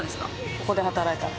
ここで働いたら。